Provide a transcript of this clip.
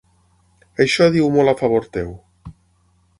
Això diu molt a favor teu.